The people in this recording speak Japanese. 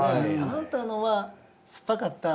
「あなたのは酸っぱかった？